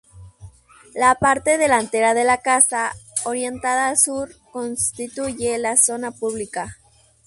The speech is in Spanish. La parte delantera de la casa, orientada al sur, constituye la zona pública.